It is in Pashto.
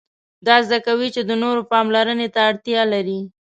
دا زده کوي چې د نورو پاملرنې ته اړتیا لري.